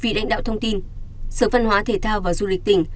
vị lãnh đạo thông tin sở văn hóa thể thao và du lịch tỉnh